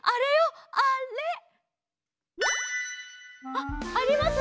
あっあります？